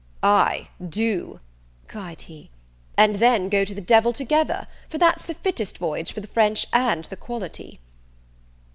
"Ay, do," cried he; "and then go to the devil together, for that's the fittest voyage for the French and the quality."